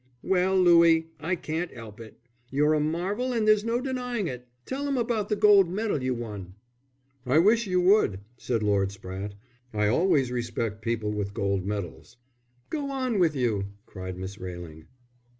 "Well, Louie, I can't 'elp it. You're a marvel and there's no denying it. Tell 'em about the gold medal you won." "I wish you would," said Lord Spratte. "I always respect people with gold medals." "Go on with you," cried Miss Railing.